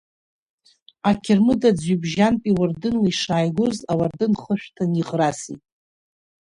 Ақьырмыт Аӡҩыбжьантәи уардынла ишааигоз, ауардын хышәҭын, иӷрасит.